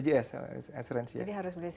jadi harus beli sendiri